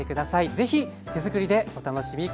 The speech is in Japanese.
是非手づくりでお楽しみ下さい。